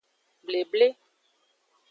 Bleble.